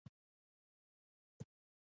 درېیم، خیالي نظم بینالذهني دی.